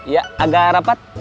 ya agak rapat